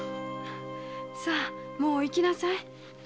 さあもう行きなさい。